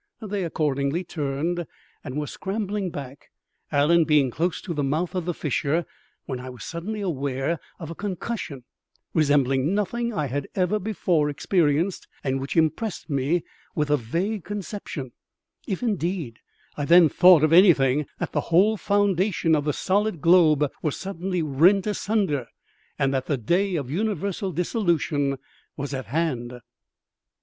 They accordingly turned, and were scrambling back, Allen being close to the mouth of the fissure, when I was suddenly aware of a concussion resembling nothing I had ever before experienced, and which impressed me with a vague conception, if indeed I then thought of anything, that the whole foundations of the solid globe were suddenly rent asunder, and that the day of universal dissolution was at hand.